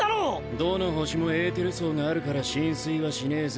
どの星もエーテル層があるから浸水はしねえぜ。